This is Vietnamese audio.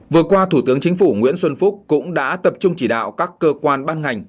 vừa qua thủ tướng chính phủ nguyễn xuân phúc cũng đã tập trung chỉ đạo các cơ quan ban ngành